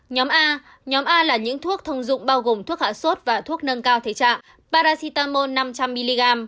nhóm a nhóm a là những thuốc thông dụng bao gồm thuốc hạ sốt và thuốc nâng cao thể trạng parasitamol năm trăm linh mg